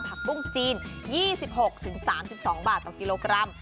ปุ้งจีน๒๖๓๒บาทต่อกิโลกรัม